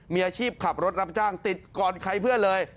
มีอาชีพขับรถรับจ้างติดก่อนใครเพื่อนเลย